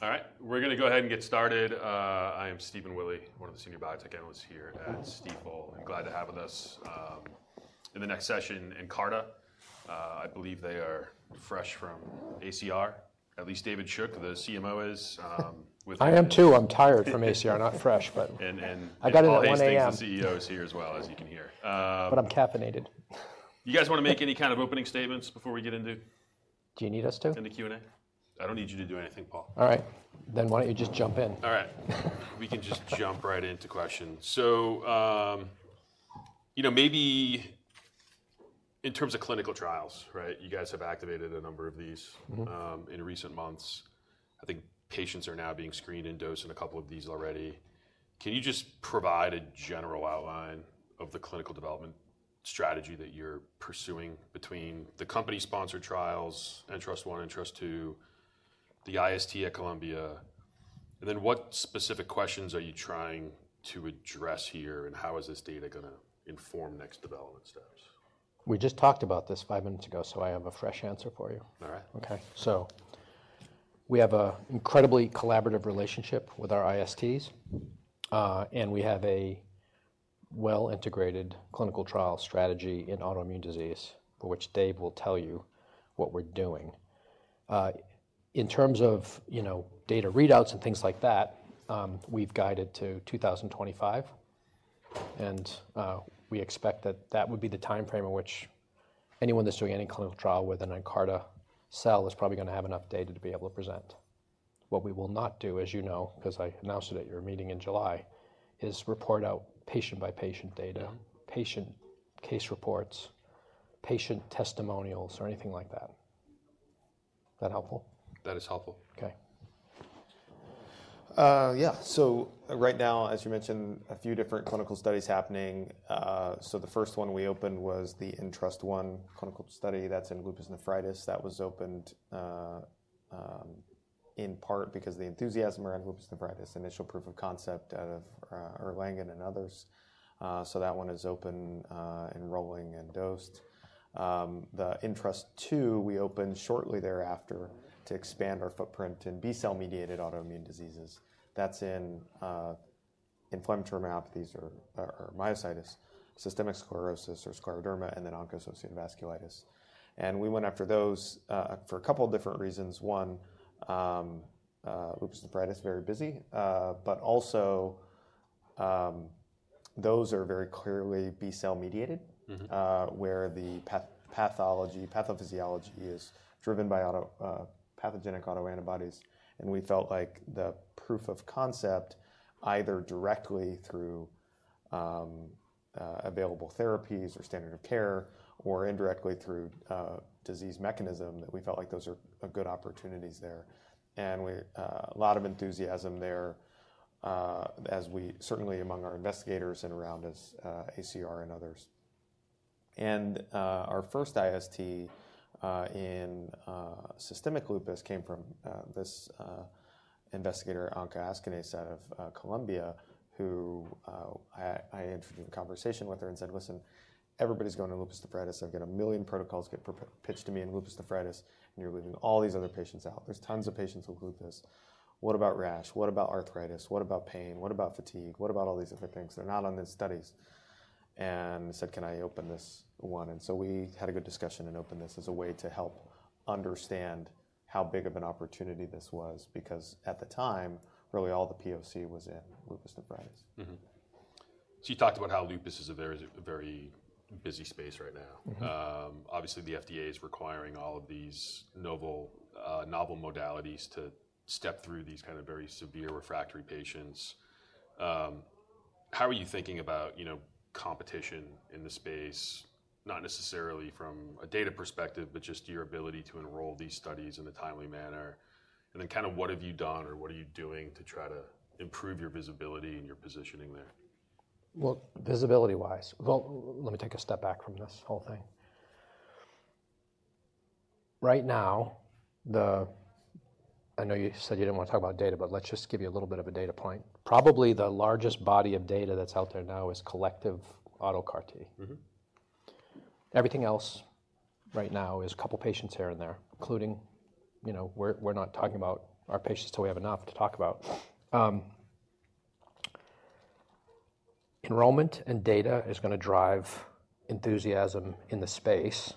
All right, we're going to go ahead and get started. I am Stephen Willey, one of the senior biotech analysts here at Stifel. I'm glad to have with us in the next session Nkarta. I believe they are fresh from ACR, at least David Shook, the CMO, is with. I am too. I'm tired from ACR, not fresh, but I got in at 1:00 A.M. I'm staying with the CEOs here as well, as you can hear. But I'm caffeinated. You guys want to make any kind of opening statements before we get into? Do you need us to? In the Q&A? I don't need you to do anything, Paul. All right. Then why don't you just jump in? All right. We can just jump right into questions. So maybe in terms of clinical trials, you guys have activated a number of these in recent months. I think patients are now being screened and dosed in a couple of these already. Can you just provide a general outline of the clinical development strategy that you're pursuing between the company-sponsored trials, NTrust-1, NTrust-2, the IST at Columbia? And then what specific questions are you trying to address here, and how is this data going to inform next development steps? We just talked about this five minutes ago, so I have a fresh answer for you. All right. OK, so we have an incredibly collaborative relationship with our ISTs, and we have a well-integrated clinical trial strategy in autoimmune disease for which Dave will tell you what we're doing. In terms of data readouts and things like that, we've guided to 2025, and we expect that that would be the time frame in which anyone that's doing any clinical trial with an Nkarta cell is probably going to have enough data to be able to present. What we will not do, as you know, because I announced it at your meeting in July, is report out patient-by-patient data, patient case reports, patient testimonials, or anything like that. Is that helpful? That is helpful. OK. Yeah. So right now, as you mentioned, a few different clinical studies happening. So the first one we opened was the NTrust-1 clinical study that's in lupus nephritis. That was opened in part because of the enthusiasm around lupus nephritis, initial proof of concept out of Erlangen and others. So that one is open, enrolling, and dosed. The NTrust-2 we opened shortly thereafter to expand our footprint in B-cell-mediated autoimmune diseases. That's in inflammatory myopathies or myositis, systemic sclerosis or scleroderma, and then ANCA-associated vasculitis. And we went after those for a couple of different reasons. One, lupus nephritis is very busy, but also those are very clearly B-cell-mediated, where the pathophysiology is driven by pathogenic autoantibodies. And we felt like the proof of concept, either directly through available therapies or standard of care or indirectly through disease mechanism, that we felt like those are good opportunities there. is a lot of enthusiasm there, certainly among our investigators and around us, ACR and others. Our first IST in systemic lupus came from this investigator, Anca Askanase, out of Columbia, who I entered into a conversation with her and said, listen, everybody's going to lupus nephritis. I've got a million protocols pitched to me in lupus nephritis, and you're leaving all these other patients out. There's tons of patients with lupus. What about rash? What about arthritis? What about pain? What about fatigue? What about all these other things? They're not on these studies. And I said, can I open this one? And so we had a good discussion and opened this as a way to help understand how big of an opportunity this was, because at the time, really all the POC was in lupus nephritis. So you talked about how lupus is a very busy space right now. Obviously, the FDA is requiring all of these novel modalities to step through these kind of very severe refractory patients. How are you thinking about competition in the space, not necessarily from a data perspective, but just your ability to enroll these studies in a timely manner? And then kind of what have you done or what are you doing to try to improve your visibility and your positioning there? Visibility-wise, let me take a step back from this whole thing. Right now, I know you said you didn't want to talk about data, but let's just give you a little bit of a data point. Probably the largest body of data that's out there now is collective autologous CAR-T. Everything else right now is a couple of patients here and there, including we're not talking about our patients till we have enough to talk about. Enrollment and data is going to drive enthusiasm in the space.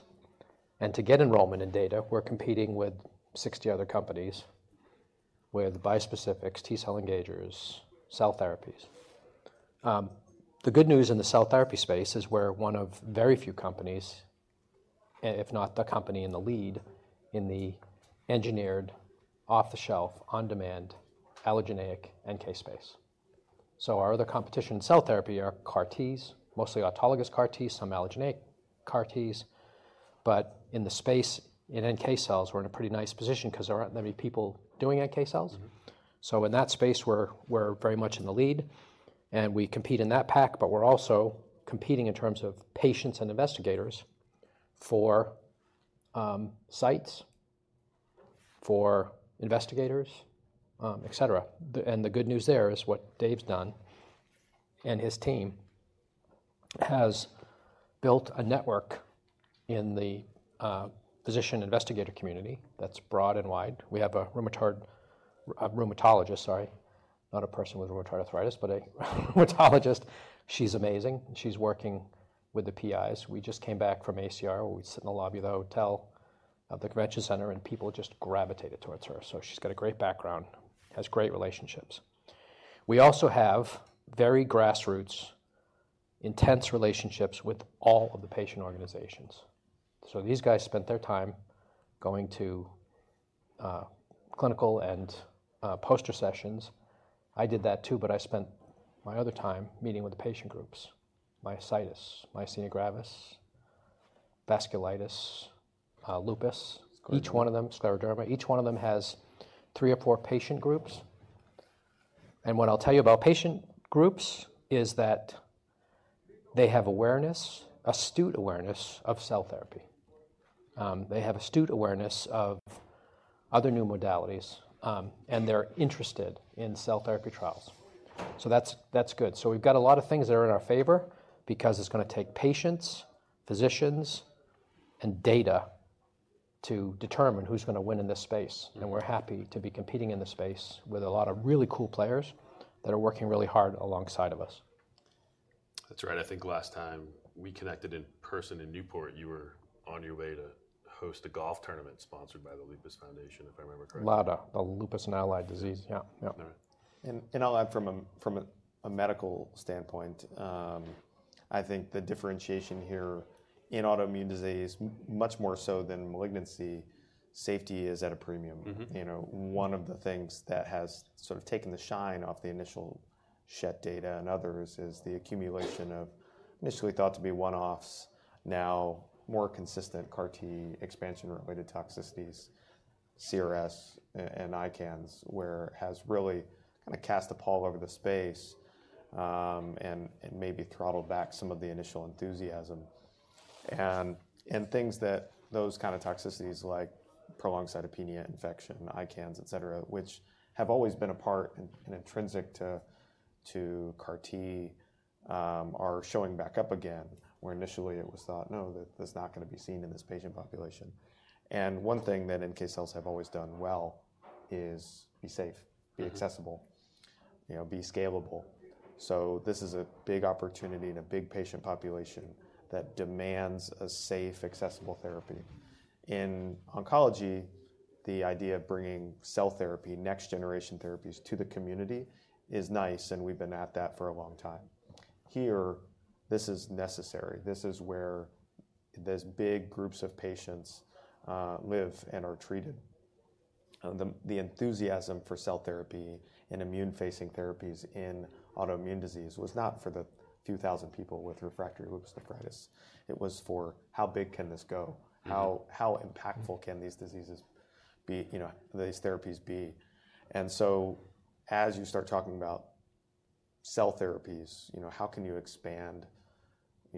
To get enrollment and data, we're competing with 60 other companies, with bispecifics, T-cell engagers, cell therapies. The good news in the cell therapy space is we're one of very few companies, if not the company in the lead, in the engineered, off-the-shelf, on-demand, allogeneic NK space. So our other competition in cell therapy are CAR-Ts, mostly autologous CAR-Ts, some allogeneic CAR-Ts. But in the space in NK cells, we're in a pretty nice position because there aren't many people doing NK cells. So in that space, we're very much in the lead. And we compete in that pack, but we're also competing in terms of patients and investigators for sites, for investigators, et cetera. And the good news there is what Dave's done and his team has built a network in the physician-investigator community that's broad and wide. We have a rheumatologist, sorry, not a person with rheumatoid arthritis, but a rheumatologist. She's amazing. She's working with the PIs. We just came back from ACR where we sit in the lobby of the hotel at the Convention Center, and people just gravitated towards her. So she's got a great background, has great relationships. We also have very grassroots, intense relationships with all of the patient organizations. So these guys spent their time going to clinical and poster sessions. I did that too, but I spent my other time meeting with the patient groups, myositis, myasthenia gravis, vasculitis, lupus, each one of them, scleroderma. Each one of them has three or four patient groups. And what I'll tell you about patient groups is that they have awareness, astute awareness of cell therapy. They have astute awareness of other new modalities, and they're interested in cell therapy trials. So that's good. So we've got a lot of things that are in our favor because it's going to take patients, physicians, and data to determine who's going to win in this space. And we're happy to be competing in this space with a lot of really cool players that are working really hard alongside of us. That's right. I think last time we connected in person in Newport, you were on your way to host a golf tournament sponsored by the Lupus Foundation, if I remember correctly. LADA, the Lupus and Allied Disease. Yeah. All right. I'll add from a medical standpoint, I think the differentiation here in autoimmune disease, much more so than malignancy, safety is at a premium. One of the things that has sort of taken the shine off the initial Schett data and others is the accumulation of initially thought to be one-offs, now more consistent CAR-T expansion-related toxicities, CRS, and ICANS, where it has really kind of cast a pall over the space and maybe throttled back some of the initial enthusiasm. Things that those kind of toxicities, like prolonged cytopenia, infection, ICANS, et cetera, which have always been a part and intrinsic to CAR-T, are showing back up again, where initially it was thought, no, that's not going to be seen in this patient population. One thing that NK cells have always done well is be safe, be accessible, be scalable. So this is a big opportunity in a big patient population that demands a safe, accessible therapy. In oncology, the idea of bringing cell therapy, next-generation therapies to the community is nice, and we've been at that for a long time. Here, this is necessary. This is where these big groups of patients live and are treated. The enthusiasm for cell therapy and immune-facing therapies in autoimmune disease was not for the few thousand people with refractory lupus nephritis. It was for how big can this go? How impactful can these diseases, these therapies, be? And so as you start talking about cell therapies, how can you expand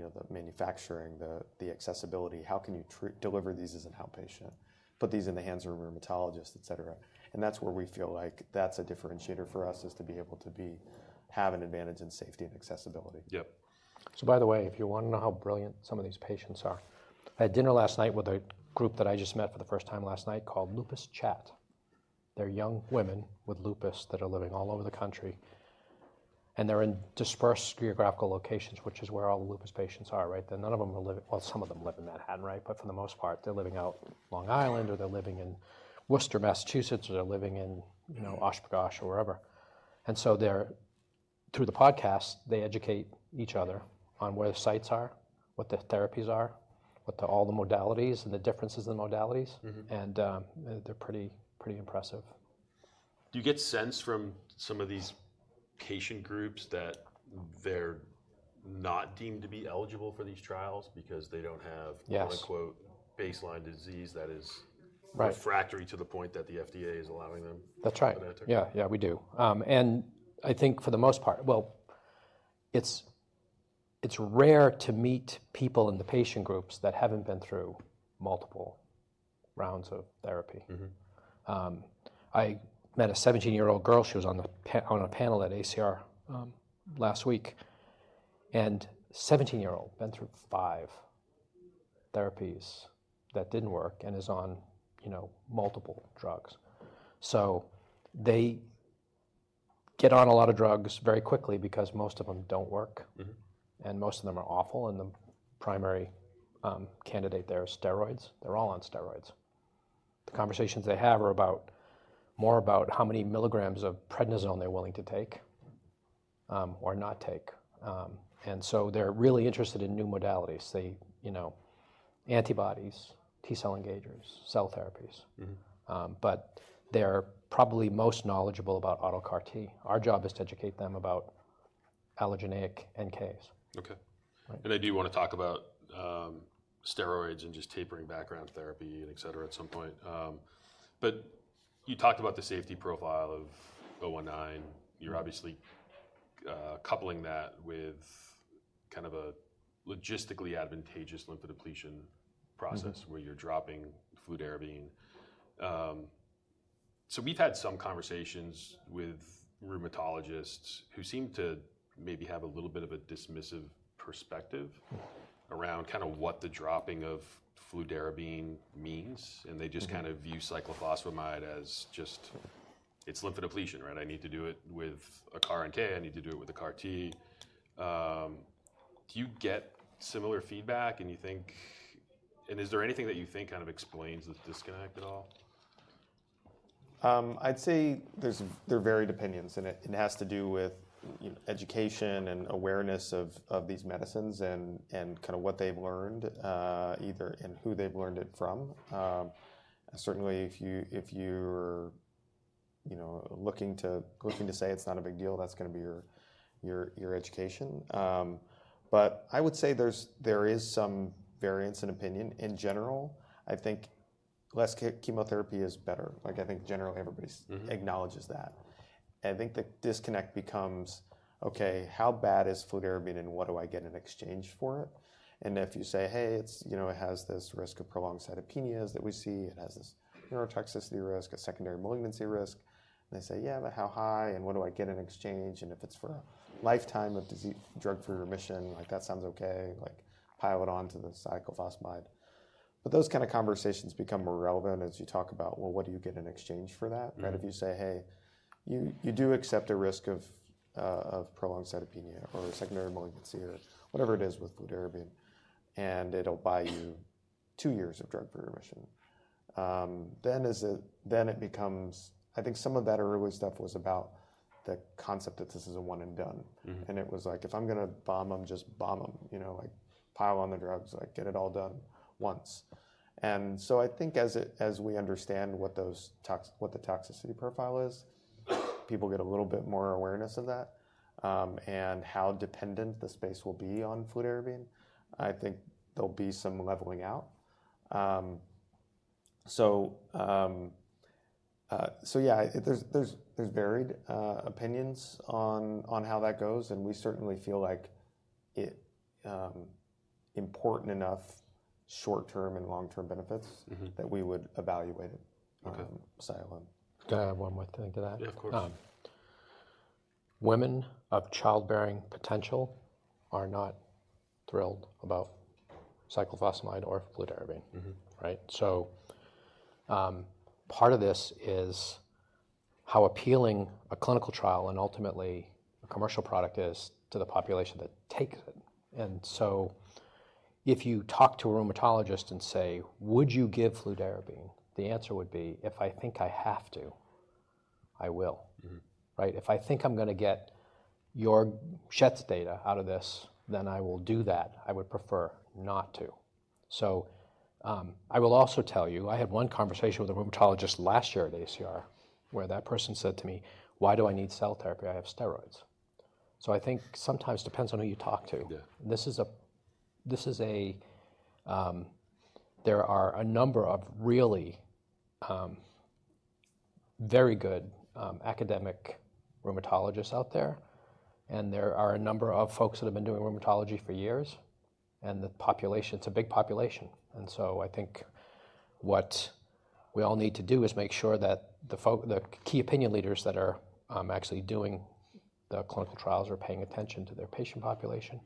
the manufacturing, the accessibility? How can you deliver these as an outpatient, put these in the hands of a rheumatologist, et cetera? That's where we feel like that's a differentiator for us, is to be able to have an advantage in safety and accessibility. Yep. So by the way, if you want to know how brilliant some of these patients are, I had dinner last night with a group that I just met for the first time last night called LupusChat. They're young women with lupus that are living all over the country. And they're in dispersed geographical locations, which is where all the lupus patients are, right? And none of them are living well, some of them live in Manhattan, right? But for the most part, they're living out Long Island, or they're living in Worcester, Massachusetts, or they're living in Ashgabat, or wherever. And so through the podcast, they educate each other on where the sites are, what the therapies are, what all the modalities and the differences in the modalities. And they're pretty impressive. Do you get sense from some of these patient groups that they're not deemed to be eligible for these trials because they don't have "baseline disease" that is refractory to the point that the FDA is allowing them? That's right. That's okay. Yeah, yeah, we do, and I think for the most part, well, it's rare to meet people in the patient groups that haven't been through multiple rounds of therapy. I met a 17-year-old girl. She was on a panel at ACR last week, and 17-year-old, been through five therapies that didn't work and is on multiple drugs, so they get on a lot of drugs very quickly because most of them don't work, and most of them are awful, and the primary candidate there is steroids. They're all on steroids. The conversations they have are more about how many milligrams of prednisone they're willing to take or not take, and so they're really interested in new modalities: antibodies, T-cell engagers, cell therapies, but they're probably most knowledgeable about auto CAR-T. Our job is to educate them about allogeneic NKs. OK. And I do want to talk about steroids and just tapering background therapy, et cetera, at some point. But you talked about the safety profile of 019. You're obviously coupling that with kind of a logistically advantageous lymphodepletion process where you're dropping fludarabine. So we've had some conversations with rheumatologists who seem to maybe have a little bit of a dismissive perspective around kind of what the dropping of fludarabine means. And they just kind of view cyclophosphamide as just it's lymphodepletion, right? I need to do it with a CAR-NK, I need to do it with a CAR-T. Do you get similar feedback? And is there anything that you think kind of explains this disconnect at all? I'd say there are varied opinions, and it has to do with education and awareness of these medicines and kind of what they've learned, either in who they've learned it from. Certainly, if you're looking to say it's not a big deal, that's going to be your education, but I would say there is some variance in opinion. In general, I think less chemotherapy is better. I think generally everybody acknowledges that. I think the disconnect becomes, OK, how bad is fludarabine, and what do I get in exchange for it, and if you say, hey, it has this risk of prolonged cytopenias that we see, it has this neurotoxicity risk, a secondary malignancy risk, and they say, yeah, but how high? And what do I get in exchange? And if it's for a lifetime of drug-free remission, that sounds OK, pile it onto the cyclophosphamide. But those kind of conversations become more relevant as you talk about, well, what do you get in exchange for that? If you say, hey, you do accept a risk of prolonged cytopenia or secondary malignancy or whatever it is with fludarabine, and it'll buy you two years of drug-free remission. Then it becomes, I think some of that early stuff was about the concept that this is a one-and-done. And it was like, if I'm going to bomb them, just bomb them. Pile on the drugs. Get it all done once. And so I think as we understand what the toxicity profile is, people get a little bit more awareness of that and how dependent the space will be on fludarabine. I think there'll be some leveling out. So yeah, there's varied opinions on how that goes. We certainly feel like it's important enough short-term and long-term benefits that we would evaluate it on a silo. Can I add one more thing to that? Yeah, of course. Women of childbearing potential are not thrilled about cyclophosphamide or fludarabine, right, so part of this is how appealing a clinical trial and ultimately a commercial product is to the population that takes it, and so if you talk to a rheumatologist and say, would you give fludarabine? The answer would be, if I think I have to, I will, right? If I think I'm going to get your Schett data out of this, then I will do that. I would prefer not to, so I will also tell you, I had one conversation with a rheumatologist last year at ACR where that person said to me, why do I need cell therapy? I have steroids, so I think sometimes it depends on who you talk to. There are a number of really very good academic rheumatologists out there. And there are a number of folks that have been doing rheumatology for years. And the population, it's a big population. And so I think what we all need to do is make sure that the key opinion leaders that are actually doing the clinical trials are paying attention to their patient population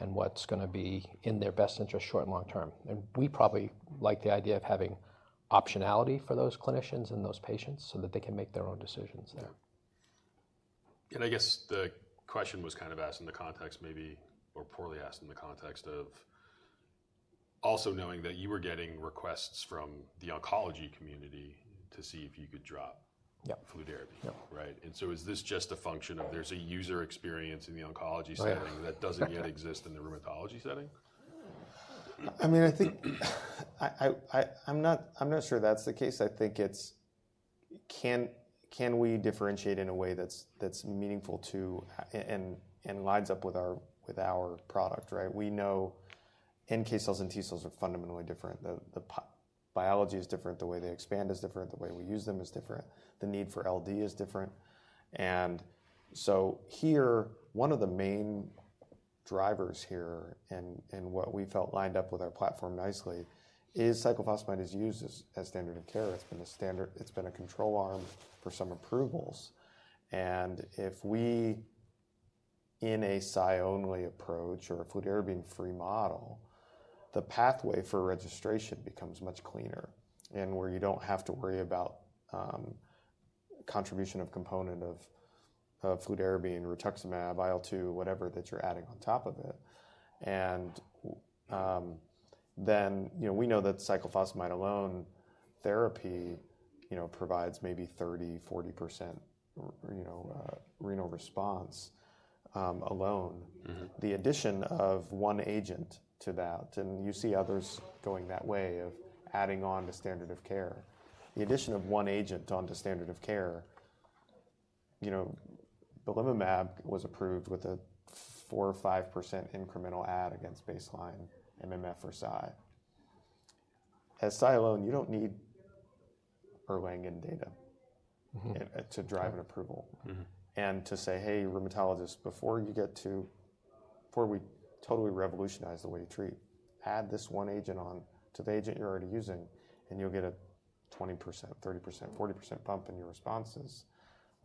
and what's going to be in their best interest short and long term. And we probably like the idea of having optionality for those clinicians and those patients so that they can make their own decisions there. I guess the question was kind of asked in the context, maybe, or poorly asked in the context of also knowing that you were getting requests from the oncology community to see if you could drop fludarabine, right? So is this just a function of there's a user experience in the oncology setting that doesn't yet exist in the rheumatology setting? I mean, I think. I'm not sure that's the case. I think it's can we differentiate in a way that's meaningful to and lines up with our product, right? We know NK cells and T cells are fundamentally different. The biology is different. The way they expand is different. The way we use them is different. The need for LD is different. And so here, one of the main drivers here and what we felt lined up with our platform nicely is cyclophosphamide is used as standard of care. It's been a control arm for some approvals. And if we, in a Cy-only approach or a fludarabine-free model, the pathway for registration becomes much cleaner and where you don't have to worry about contribution of component of fludarabine, rituximab, IL-2, whatever that you're adding on top of it. And then we know that cyclophosphamide alone therapy provides maybe 30%, 40% renal response alone. The addition of one agent to that, and you see others going that way of adding on to standard of care. The addition of one agent onto standard of care. Belimumab was approved with a 4% or 5% incremental add against baseline MMF or CYC. As CYC alone, you don't need Erlangen data to drive an approval. And to say, hey, rheumatologists, before you get to before we totally revolutionize the way you treat, add this one agent on to the agent you're already using, and you'll get a 20%, 30%, 40% bump in your responses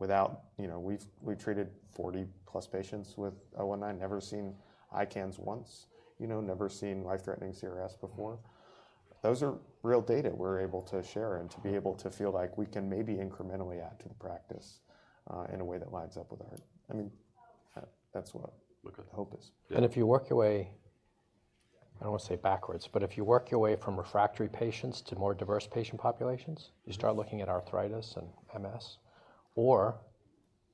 without. We've treated 40-plus patients with 019, never seen ICANS once, never seen life-threatening CRS before. Those are real data we're able to share and to be able to feel like we can maybe incrementally add to the practice in a way that lines up with our, I mean, that's what the hope is, and if you work your way, I don't want to say backwards, but if you work your way from refractory patients to more diverse patient populations, you start looking at arthritis and MS or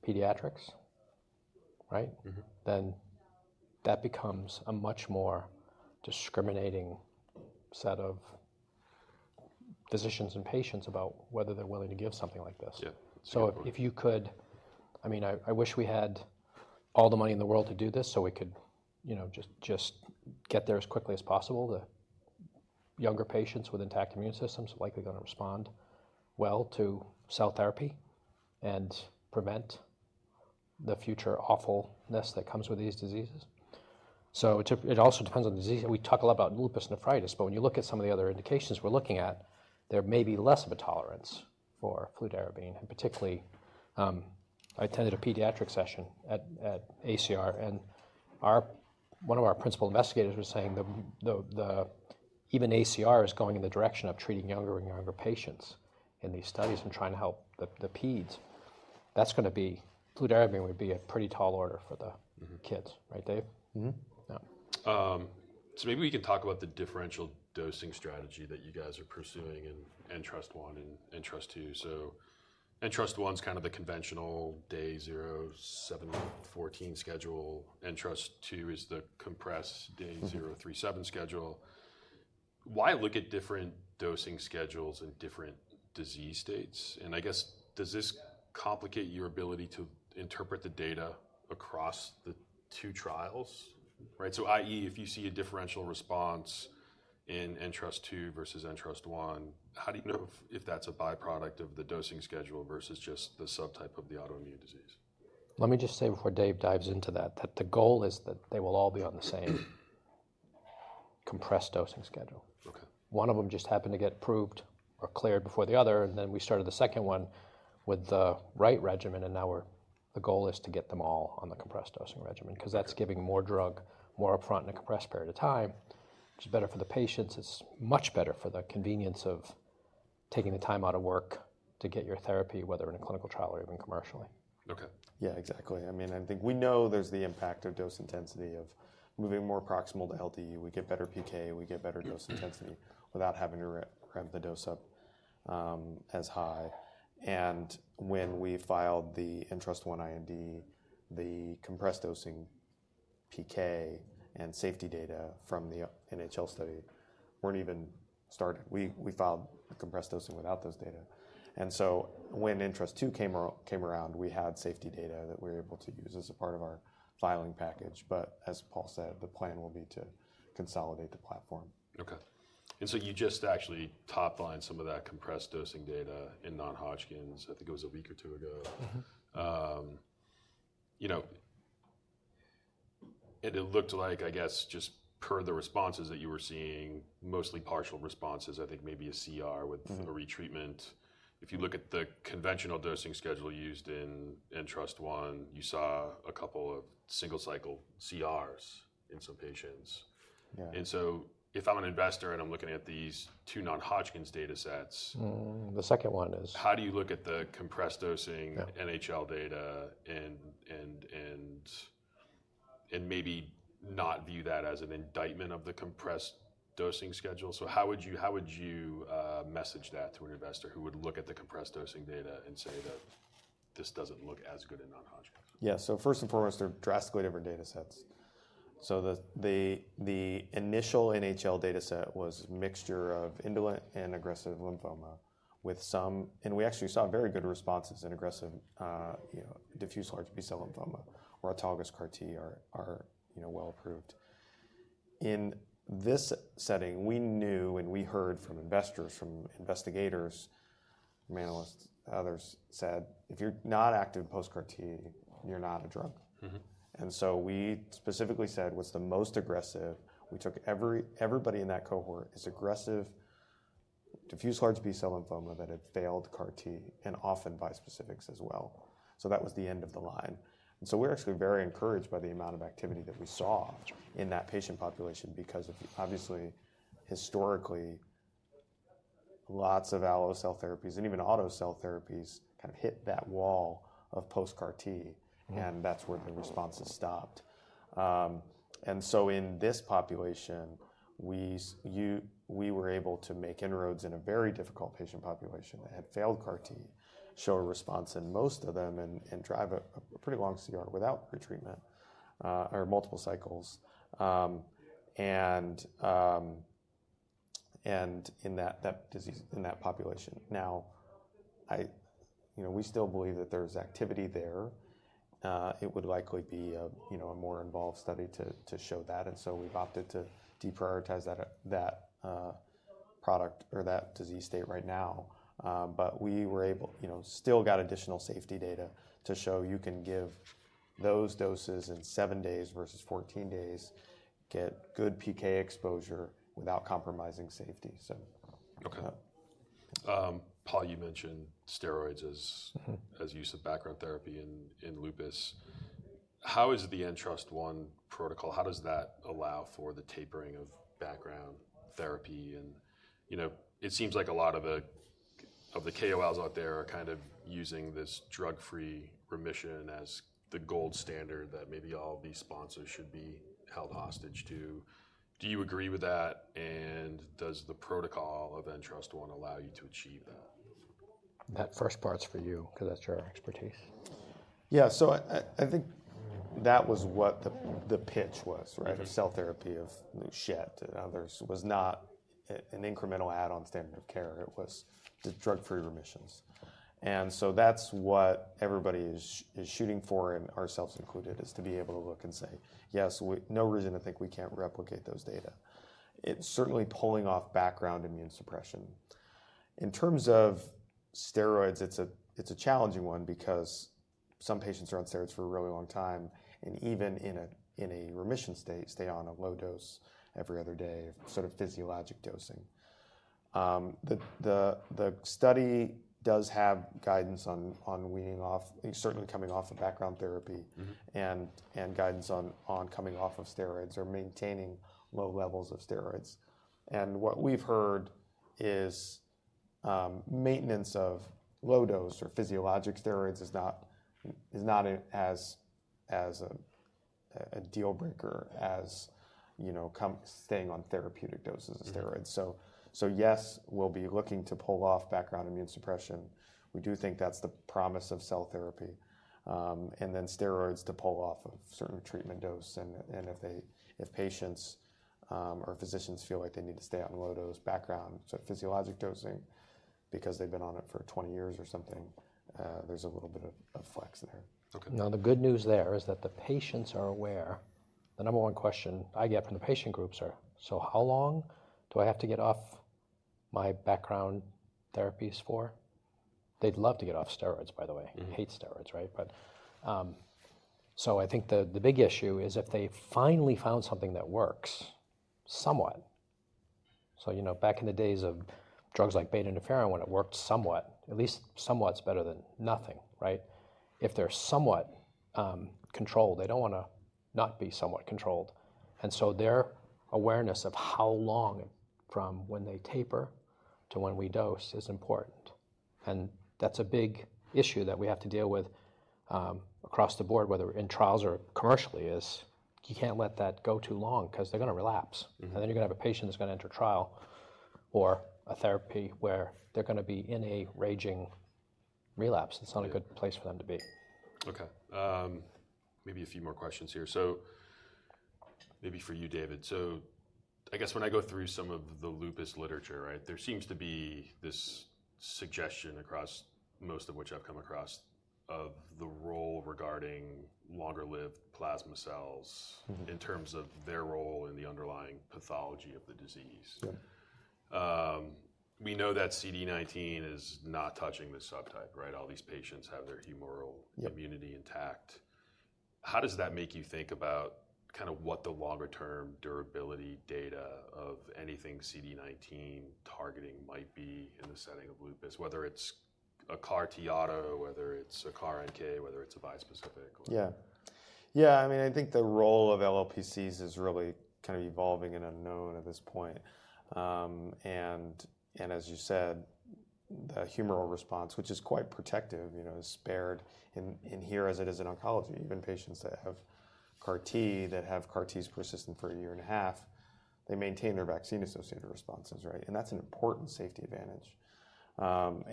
pediatrics, right? Then that becomes a much more discriminating set of physicians and patients about whether they're willing to give something like this, so if you could, I mean, I wish we had all the money in the world to do this so we could just get there as quickly as possible. The younger patients with intact immune systems are likely going to respond well to cell therapy and prevent the future awfulness that comes with these diseases. So it also depends on the disease. We talk a lot about lupus nephritis. But when you look at some of the other indications we're looking at, there may be less of a tolerance for fludarabine. And particularly, I attended a pediatric session at ACR. And one of our principal investigators was saying that even ACR is going in the direction of treating younger and younger patients in these studies and trying to help the peds. That's going to be fludarabine would be a pretty tall order for the kids, right, Dave? Mm-hmm. So maybe we can talk about the differential dosing strategy that you guys are pursuing in NTrust-1 and NTrust-2. So NTrust-1 is kind of the conventional day 0-7-14 schedule. NTrust-2 is the compressed day 0-3-7 schedule. Why look at different dosing schedules in different disease states? And I guess, does this complicate your ability to interpret the data across the two trials? So i.e., if you see a differential response in NTrust-2 versus NTrust-1, how do you know if that's a byproduct of the dosing schedule versus just the subtype of the autoimmune disease? Let me just say before Dave dives into that that the goal is that they will all be on the same compressed dosing schedule. One of them just happened to get approved or cleared before the other. And then we started the second one with the right regimen. And now the goal is to get them all on the compressed dosing regimen because that's giving more drug more upfront in a compressed period of time, which is better for the patients. It's much better for the convenience of taking the time out of work to get your therapy, whether in a clinical trial or even commercially. OK. Yeah, exactly. I mean, I think we know there's the impact of dose intensity of moving more proximal to LD. We get better PK. We get better dose intensity without having to ramp the dose up as high. And when we filed the NTrust-1 IND, the compressed dosing PK and safety data from the NHL study weren't even started. We filed the compressed dosing without those data. And so when NTrust-2 came around, we had safety data that we were able to use as a part of our filing package. But as Paul said, the plan will be to consolidate the platform. OK. And so you just actually touched on some of that compressed dosing data in non-Hodgkin's. I think it was a week or two ago. And it looked like, I guess, just per the responses that you were seeing, mostly partial responses, I think maybe a CR with a retreatment. If you look at the conventional dosing schedule used in NTrust-1, you saw a couple of single-cycle CRs in some patients. And so if I'm an investor and I'm looking at these two non-Hodgkin's data sets. The second one is. How do you look at the compressed dosing NHL data and maybe not view that as an indictment of the compressed dosing schedule? So how would you message that to an investor who would look at the compressed dosing data and say that this doesn't look as good in non-Hodgkin's? Yeah. So first and foremost, they're drastically different data sets. So the initial NHL data set was a mixture of indolent and aggressive lymphoma with some, and we actually saw very good responses in aggressive diffuse large B-cell lymphoma, or autologous CAR-T are well approved. In this setting, we knew and we heard from investors, from investigators, from analysts, others said, if you're not active post-CAR-T, you're not a drug. And so we specifically said what's the most aggressive. We took everybody in that cohort as aggressive diffuse large B-cell lymphoma that had failed CAR-T and often bispecifics as well. So that was the end of the line. And so we're actually very encouraged by the amount of activity that we saw in that patient population because of, obviously, historically, lots of allocell therapies and even autocell therapies kind of hit that wall of post-CAR-T. And that's where the responses stopped. And so in this population, we were able to make inroads in a very difficult patient population that had failed CAR-T, show a response in most of them, and drive a pretty long CR without retreatment or multiple cycles. And in that population, now we still believe that there is activity there. It would likely be a more involved study to show that. And so we've opted to deprioritize that product or that disease state right now. But we were still got additional safety data to show you can give those doses in seven days versus 14 days, get good PK exposure without compromising safety. Paul, you mentioned steroids as use of background therapy in lupus. How is the NTrust-1 protocol? How does that allow for the tapering of background therapy? And it seems like a lot of the KOLs out there are kind of using this drug-free remission as the gold standard that maybe all these sponsors should be held hostage to. Do you agree with that? And does the protocol of NTrust-1 allow you to achieve that? That first part's for you because that's your expertise. Yeah. So I think that was what the pitch was, right? Cell therapy of Schett and others was not an incremental add-on standard of care. It was the drug-free remissions. And so that's what everybody is shooting for, and ourselves included, is to be able to look and say, yes, no reason to think we can't replicate those data. It's certainly pulling off background immune suppression. In terms of steroids, it's a challenging one because some patients are on steroids for a really long time. And even in a remission state, stay on a low dose every other day, sort of physiologic dosing. The study does have guidance on weaning off, certainly coming off of background therapy, and guidance on coming off of steroids or maintaining low levels of steroids. And what we've heard is maintenance of low dose or physiologic steroids is not as a deal breaker as staying on therapeutic doses of steroids. So yes, we'll be looking to pull off background immune suppression. We do think that's the promise of cell therapy. And then steroids to pull off of certain treatment dose. And if patients or physicians feel like they need to stay on low dose background, so physiologic dosing, because they've been on it for 20 years or something, there's a little bit of flex there. Now, the good news there is that the patients are aware. The number one question I get from the patient groups are, "So how long do I have to get off my background therapies for?" They'd love to get off steroids, by the way. Hate steroids, right? So I think the big issue is if they finally found something that works somewhat. So back in the days of drugs like beta interferon, when it worked somewhat, at least somewhat's better than nothing, right? If they're somewhat controlled, they don't want to not be somewhat controlled. And so their awareness of how long from when they taper to when we dose is important. And that's a big issue that we have to deal with across the board, whether in trials or commercially, is you can't let that go too long because they're going to relapse. And then you're going to have a patient that's going to enter trial or a therapy where they're going to be in a raging relapse. It's not a good place for them to be. OK. Maybe a few more questions here. So maybe for you, David. So I guess when I go through some of the lupus literature, there seems to be this suggestion across most of which I've come across of the role regarding longer-lived plasma cells in terms of their role in the underlying pathology of the disease. We know that CD19 is not touching this subtype, right? All these patients have their humoral immunity intact. How does that make you think about kind of what the longer-term durability data of anything CD19 targeting might be in the setting of lupus, whether it's a CAR-T auto, whether it's a CAR-NK, whether it's a bispecific? Yeah. Yeah, I mean, I think the role of LLPCs is really kind of evolving and unknown at this point. And as you said, the humoral response, which is quite protective, is spared in here as it is in oncology. Even patients that have CAR-T, that have CAR-Ts persistent for a year and a half, they maintain their vaccine-associated responses, right? And that's an important safety advantage.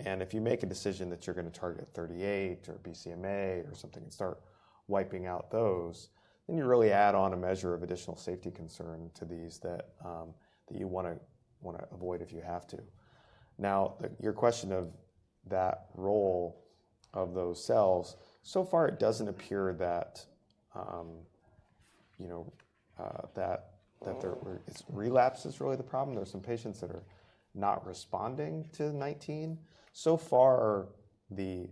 And if you make a decision that you're going to target CD38 or BCMA or something and start wiping out those, then you really add on a measure of additional safety concern to these that you want to avoid if you have to. Now, your question of that role of those cells, so far it doesn't appear that relapse is really the problem. There are some patients that are not responding to CD19. So far, the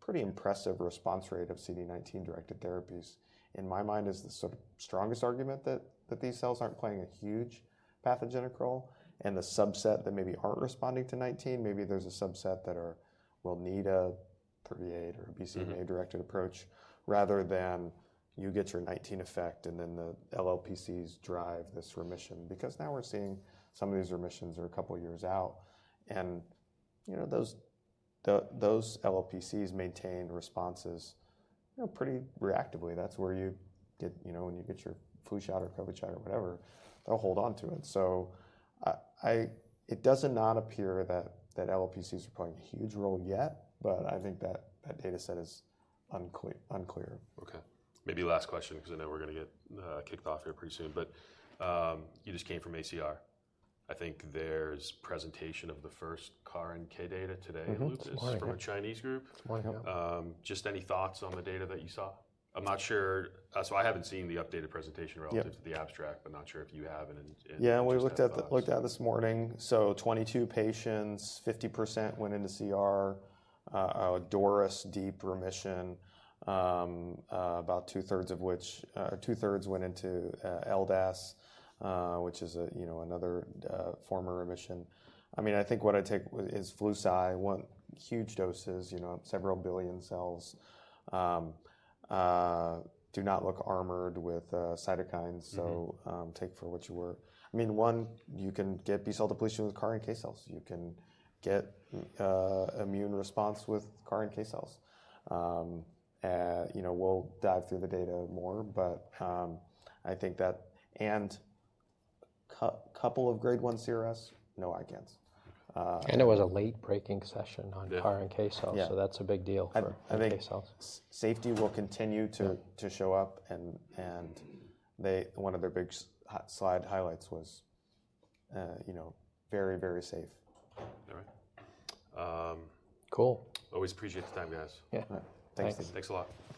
pretty impressive response rate of CD19-directed therapies, in my mind, is the sort of strongest argument that these cells aren't playing a huge pathogenic role. And the subset that maybe aren't responding to 19, maybe there's a subset that will need a 38 or a BCMA-directed approach rather than you get your 19 effect and then the LLPCs drive this remission. Because now we're seeing some of these remissions are a couple of years out. And those LLPCs maintain responses pretty reactively. That's where you get when you get your flu shot or COVID shot or whatever, they'll hold on to it. So it does not appear that LLPCs are playing a huge role yet. But I think that data set is unclear. OK. Maybe last question because I know we're going to get kicked off here pretty soon. But you just came from ACR. I think there's presentation of the first CAR-NK data today in lupus from a Chinese group. Just any thoughts on the data that you saw? I'm not sure. So I haven't seen the updated presentation relative to the abstract, but not sure if you have any. Yeah, we looked at it this morning. So 22 patients, 50% went into CR, a DORIS deep remission, about 2/3 of which went into LDAS, which is another form of remission. I mean, I think what I take is the upside, huge doses, several billion cells, do not look armored with cytokines. So take it for what it's worth. I mean, one, you can get B-cell depletion with CAR-NK cells. You can get immune reset with CAR-NK cells. We'll dive through the data more. But I think that and a couple of grade 1 CRS, no ICANS. It was a late-breaking session on CAR-NK cells. That's a big deal for NK cells. Safety will continue to show up. One of their big slide highlights was very, very safe. All right. Cool. Always appreciate the time, guys. Yeah. Thanks. Thanks a lot.